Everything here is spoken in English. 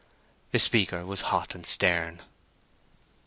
The speaker was hot and stern.